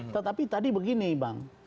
tetapi tadi begini bang